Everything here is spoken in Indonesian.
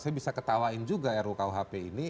saya bisa ketawain juga rukuhp ini